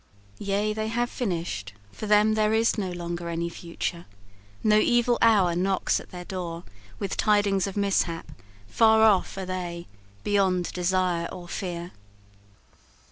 "Yea, they have finish'd: For them there is no longer any future. No evil hour knocks at their door With tidings of mishap far off are they, Beyond desire or fear."